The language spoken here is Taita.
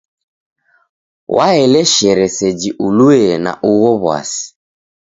Waeleshere seji ulue na ugho w'asi.